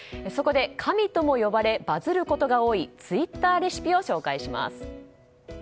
そこで、神とも呼ばれバズることが多いツイッターレシピを紹介します。